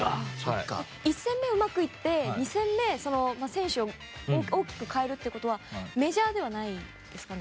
１戦目がうまくいって２戦目、選手を大きく変えるのはメジャーではないんですかね？